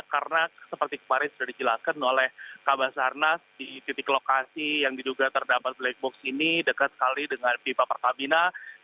karena seperti kemarin sudah dijelaskan oleh kabasarnas di titik lokasi yang diduga terdapat black box ini dekat sekali dengan pipa perpabinaan